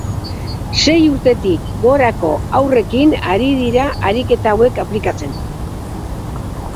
Sei urtetik gorako haurrekin ari dira ariketa hauek aplikatzen.